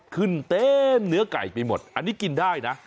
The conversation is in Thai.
ขึ้นเต็มเนื้อไก่ไปหมดอันนี้กินได้นะ